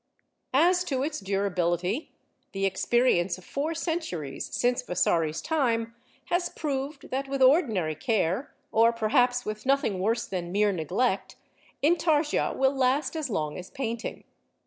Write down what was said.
As to its durability, the experience of four centuries since Vasari's time has proved that with ordinary care, or perhaps with nothing worse than mere neglect, Intarsia will last as long as painting.